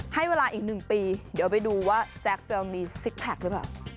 ให้เวลาอีก๑ปีเดี๋ยวไปดูว่าแจ๊คจะมีซิกแพคหรือเปล่า